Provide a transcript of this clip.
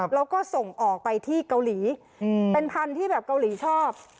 แล้วก็ส่งออกไปที่เกาหลีเป็นพันธุ์ที่แบบเกาหลีชอบ